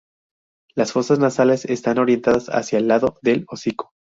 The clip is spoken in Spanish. Las fosas nasales están orientadas hacia el lado del hocico.